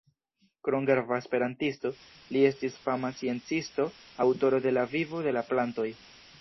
Krom grava esperantisto, li estis fama sciencisto, aŭtoro de "La Vivo de la Plantoj".